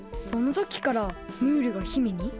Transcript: そのときからムールが姫に？